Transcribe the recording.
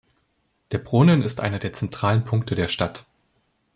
Der Brunnen ist einer der zentralen Punkte der Stadt.